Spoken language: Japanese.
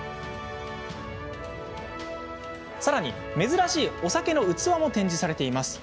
さらに珍しいお酒の器も展示されています。